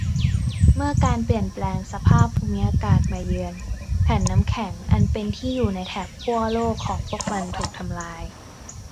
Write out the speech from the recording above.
เมื่อการเปลี่ยนแปลงสภาพภูมิอากาศมาเยือน แผ่นน้ำแข็งอันเป็นที่อยู่ในแถบขั้วโลกของพวกมันถูกทำลาย